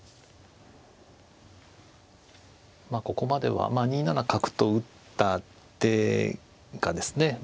ここまでは２七角と打った手がですね